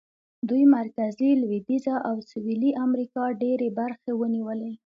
دوی مرکزي، لوېدیځه او سوېلي امریکا ډېرې برخې ونیولې.